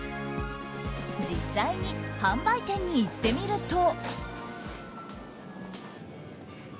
実際に販売店に行ってみると。